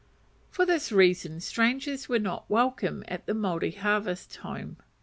For this reason strangers were not welcome at the Maori harvest home.